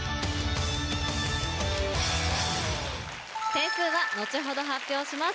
点数は後ほど発表します。